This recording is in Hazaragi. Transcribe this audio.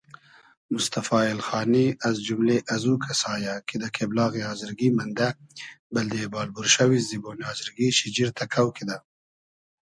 موستئفا اېلخانی از جوملې ازوکئسا یۂ کی دۂ کېبلاغی آزرگی مئندۂ بئلدې بال بورشئوی زیبۉنی آزرگی شیجیر تئکۆ کیدۂ